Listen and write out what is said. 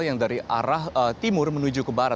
yang dari arah timur menuju ke barat